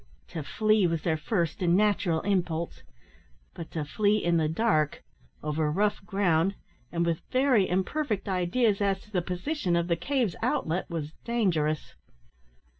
To flee was their first and natural impulse; but to flee in the dark, over rough ground, and with very imperfect ideas as to the position of the cave's outlet, was dangerous.